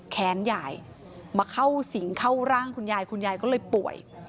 แค้นยายมาเข้าสิงเข้าร่างคุณยายคุณยายก็เลยป่วย